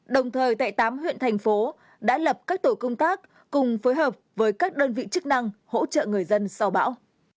đồng thời tại tám huyện thành phố đã lập các tổ công tác cùng phối hợp với các đơn vị chức năng hỗ trợ người dân sau bão